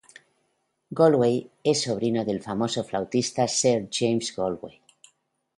Galway es sobrino del famoso flautista Sir James Galway.